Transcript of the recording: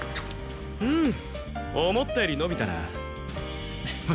うん思ったより伸びたな。